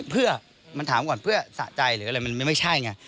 เพื่อมันถามก่อนเพื่อสะใจหรืออะไรมันไม่ใช่ไง